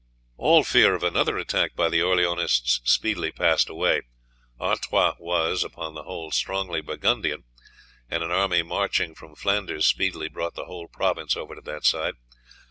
All fear of another attack by the Orleanists speedily passed away. Artois was, upon the whole, strongly Burgundian, and an army marching from Flanders speedily brought the whole province over to that side.